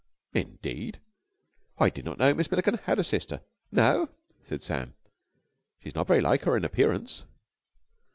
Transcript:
"Indeed? I didn't know Miss Milliken had a sister." "No?" said Sam. "She is not very like her in appearance."